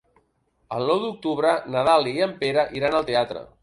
El nou d'octubre na Dàlia i en Pere iran al teatre.